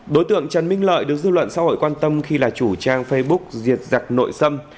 đối tượng trần minh lợi được dư luận xã hội quan tâm khi là chủ trang facebook diệt giặc nội xâm